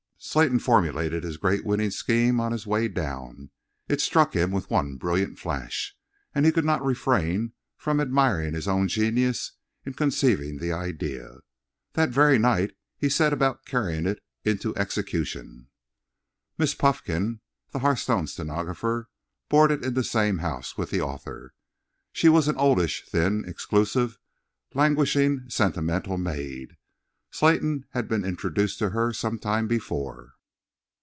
Slayton formulated his great winning scheme on his way down. It struck him with one brilliant flash, and he could not refrain from admiring his own genius in conceiving the idea. That very night he set about carrying it into execution. Miss Puffkin, the Hearthstone stenographer, boarded in the same house with the author. She was an oldish, thin, exclusive, languishing, sentimental maid; and Slayton had been introduced to her some time before.